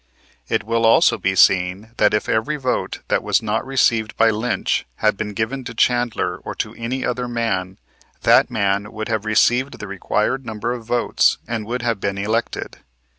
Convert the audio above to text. It will also be seen that if every vote that was not received by Lynch had been given to Chandler or to any other man, that man would have received the required number of votes and would have been elected.